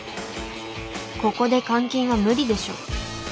ここで監禁は無理でしょ。